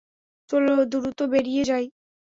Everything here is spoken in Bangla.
চলো দ্রুত বেরিয়ে যাই।